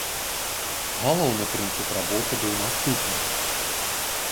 Галоўны прынцып работы быў наступны.